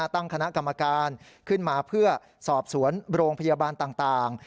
ตั้งคณะกรรมการขึ้นมาเพื่อสอบสวนโรงพยาบาลต่าง